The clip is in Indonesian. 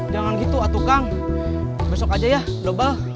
jangan gitu atu kang besok aja ya dobel